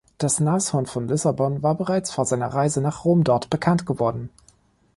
Das Nashorn von Lissabon war bereits vor seiner Reise nach Rom dort bekannt geworden.